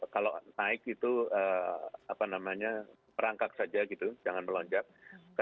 kalau naik itu perangkak saja gitu jangan melonjak